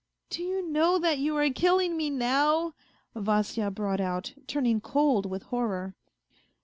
" Do you know that you are killing me now ?" Vasya brought out, turning cold with horror.